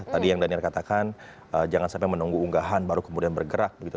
tadi yang daniel katakan jangan sampai menunggu unggahan baru kemudian bergerak begitu